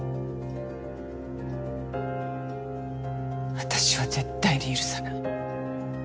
私は絶対に許さない。